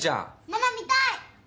ママ見たい！